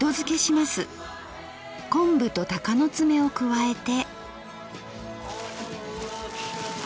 昆布とたかの爪を加えて。